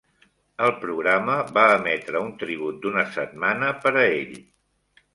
El programa va emetre un tribut d'una setmana per a ell.